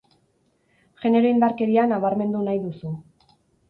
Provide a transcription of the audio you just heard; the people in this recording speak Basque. Genero indarkeria nabarmendu nahi duzu.